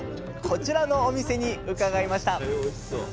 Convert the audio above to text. こちらのお店に伺いました。